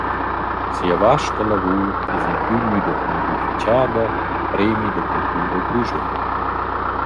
Sia vasta lavur es implü gnüda onurifichada cul premi da cultura grischun.